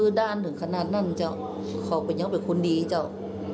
ดูด้านถึงขนาดนั้นเจ้าเขาเป็นยกแบบคุณดีเจ้า